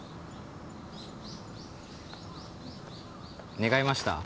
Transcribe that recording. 願いました？